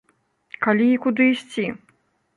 Калі і куды ісці?